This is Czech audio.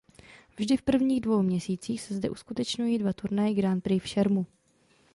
Vždy v prvních dvou měsících se zde uskutečňují dva turnaje Grand Prix v šermu.